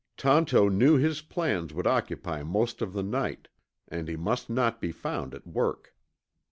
Tonto knew his plans would occupy most of the night, and he must not be found at work.